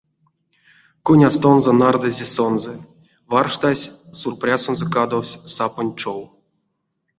Конястонзо нардызе сонзэ, варштась: сур прясонзо кадовсь сапонь чов.